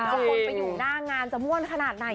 แล้วคนไปอยู่หน้างานจะม่วนขนาดไหน